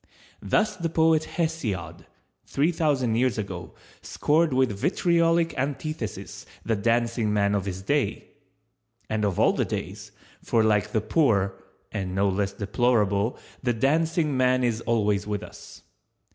Thus the poet Hesiod, three thousand years ago, scored with vitriolic antithesis the Dancing man of his day⸺ And of all the days, for like the poor (and no less deplorable) the Dancing man is always with us.